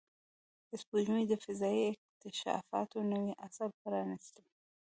سپوږمۍ د فضایي اکتشافاتو نوی عصر پرانستی